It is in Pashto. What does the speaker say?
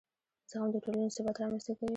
زغم د ټولنې ثبات رامنځته کوي.